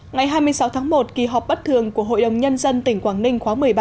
ngày hai mươi sáu tháng một kỳ họp bất thường của hội đồng nhân dân tỉnh quảng ninh khóa một mươi ba